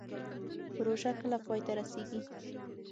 پروژه کله پای ته رسیږي؟